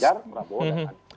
ganjar prabowo dan anies